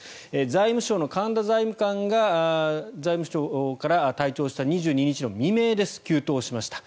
財務省の神田財務官が財務省から退庁した２１日の未明に急騰しました。